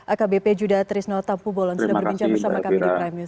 akbp juda trisno tampu bolon sudah berbincang bersama kami di prime news